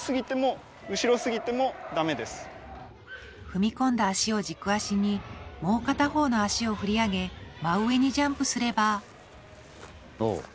踏み込んだ足を軸足にもう片方の足を振り上げ真上にジャンプすればおおきれい。